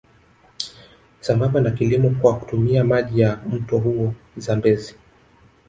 Sambamba na kilimo kwa kutumia maji ya mto huo Zambezi